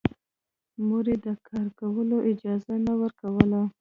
مور يې د کار کولو اجازه نه ورکوله